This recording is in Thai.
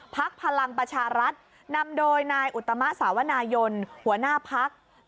พลังประชารัฐนำโดยนายอุตมะสาวนายนหัวหน้าพัก